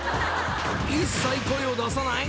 一切声を出さない？